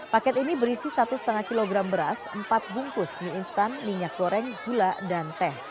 paket ini berisi satu lima kg beras empat bungkus mie instan minyak goreng gula dan teh